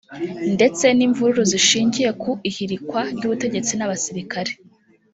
ndetse n’imvururu zishyingiye ku ihirikwa ry’ubutegetsi n’abasirikare